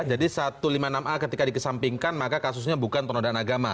jadi satu ratus lima puluh enam a ketika dikesampingkan maka kasusnya bukan tonodan agama